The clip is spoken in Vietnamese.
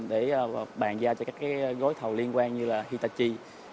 để bàn da cho các gói thầu liên quan như hitachi